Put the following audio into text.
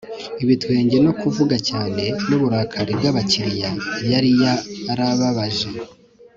ibitwenge no kuvuga cyane, n'uburakari bw'abakiriya yari yarababaje